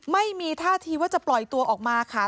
ไม่มีท่าทีว่าจะปล่อยตัวออกมาค่ะ